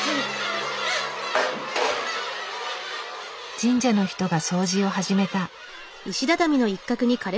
神社の人が掃除を始めた。